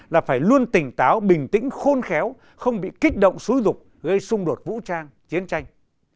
là phải luôn tỉnh táo bình tĩnh khôn khéo không bị kích động xúi rục gây xung đột vũ trang chiến tranh